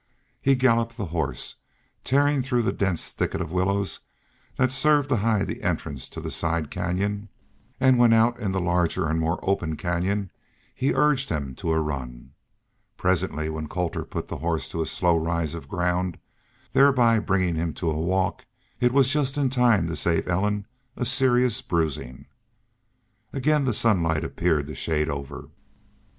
He galloped the horse, tearing through the dense thicket of willows that served to hide the entrance to the side canyon, and when out in the larger and more open canyon he urged him to a run. Presently when Colter put the horse to a slow rise of ground, thereby bringing him to a walk, it was just in time to save Ellen a serious bruising. Again the sunlight appeared to shade over.